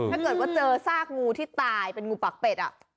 ถ้าเกิดว่าเจอซากงูที่ตายเป็นงูปากเป็ด